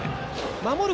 守る